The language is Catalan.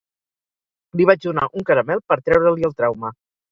Li vaig donar un caramel per treure-li el trauma.